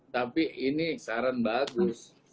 tapi ini saran bagus